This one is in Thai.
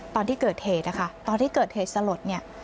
ตอนที่เกิดเหตุนะคะตอนที่เกิดเหตุสลดเนี่ย